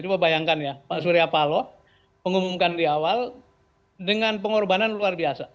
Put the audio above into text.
coba bayangkan ya pak surya paloh mengumumkan di awal dengan pengorbanan luar biasa